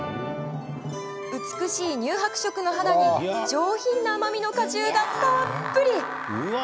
美しい乳白色の肌に上品な甘みの果汁がたっぷり。